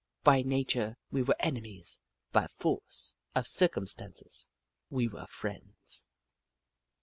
By nature we were enemies ; by force of circumstances we were friends.